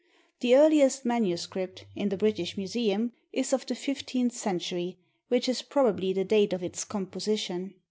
The earliest MS. (in the British Museum) is of the fifteenth century, which is probably the date of its composition.